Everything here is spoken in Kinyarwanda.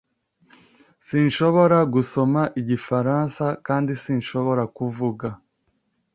Sinshobora gusoma Igifaransa, kandi sinshobora kuvuga.